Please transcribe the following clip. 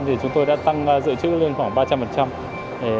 thì chúng tôi đã tăng dự trữ lên khoảng ba trăm linh